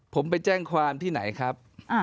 ผมไปแจ้งความที่ไหนครับ